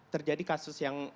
terjadi kasus yang